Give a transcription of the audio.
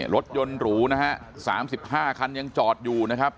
รถยนต์หรูนะฮะ๓๕คันยังจอดอยู่นะครับ